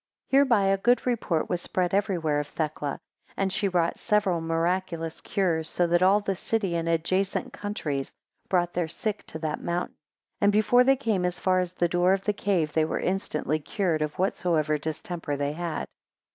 16 Hereby a good report was spread everywhere of Thecla, and she wrought several (miraculous) cures, so that all the city and adjacent countries brought their sick to that mountain, and before they came as far as the door of the cave, they were instantly cured of whatsoever distemper they had.